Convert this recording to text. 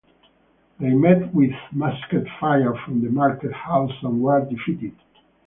They met with musket fire from the market house and were defeated.